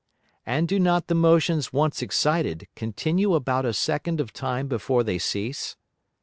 And do not the Motions once excited continue about a Second of Time before they cease?